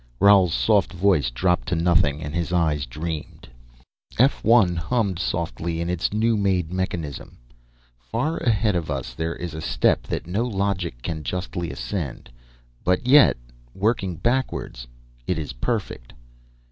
Roal's soft voice dropped to nothing, and his eyes dreamed. F 1 hummed softly in its new made mechanism. "Far ahead of us there is a step that no logic can justly ascend, but yet, working backwards, it is perfect."